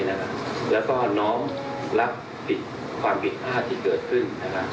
และก็น้องรักผิดความผิดภาษณ์ที่เกิดขึ้น